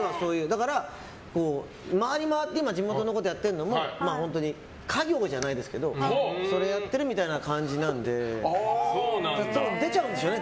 だから回りまわって地元のことやってるのも本当に家業じゃないですけどそれをやっているみたいな感じなので出ちゃうんでしょうね